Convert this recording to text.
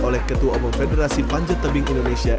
oleh ketua umum federasi panjat tebing indonesia